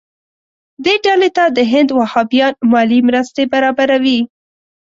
دې ډلې ته د هند وهابیان مالي مرستې برابروي.